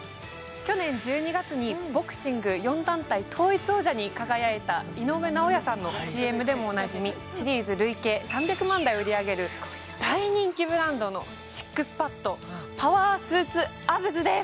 去年１２月にボクシング４団体統一王者に輝いた井上尚弥さんのＣＭでもおなじみシリーズ累計３００万台を売り上げる大人気ブランドのＳＩＸＰＡＤパワースーツアブズです